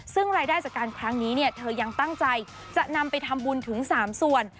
ซึ่งรายได้จากการครั้งนี้เนี่ยเธอยังตั้งใจจะนำไปทำบุญถึง๓ส่วน